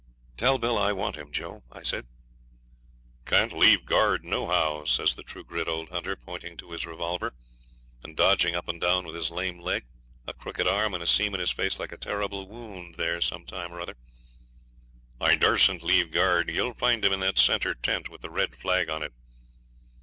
'Tell Bill I want him, Joe,' I said. 'Can't leave guard nohow,' says the true grit old hunter, pointing to his revolver, and dodging up and down with his lame leg, a crooked arm, and a seam in his face like a terrible wound there some time or other. 'I darsn't leave guard. You'll find him in that centre tent, with the red flag on it.'